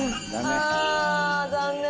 ああ残念。